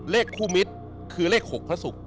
เลขคู่มิตรคือเลข๖พระศุกร์